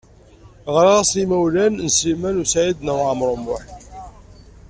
Ɣriɣ-asen i yimawlan n Sliman U Saɛid Waɛmaṛ U Muḥ.